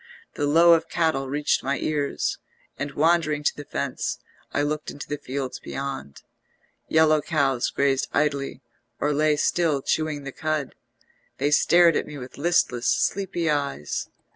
The low of cattle reached my ears, and wandering to the fence I looked into the fields beyond; yellow cows grazed idly or lay still chewing the cud; they stared at me with listless, sleepy eyes.